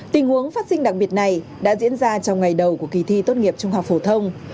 tình huống phát sinh đặc biệt này đã diễn ra trong ngày đầu của kỳ thi tốt nghiệp trung học phổ thông